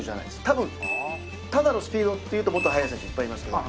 多分ただのスピードっていうともっと速い選手いっぱいいますけど。